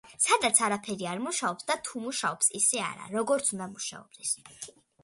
სადაც არაფერი არ მუშაობს და თუ მუშაობს ისე არა, როგორც უნდა მუშაობდეს.